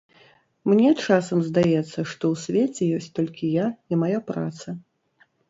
Мне часам здаецца, што ў свеце ёсць толькі я і мая праца.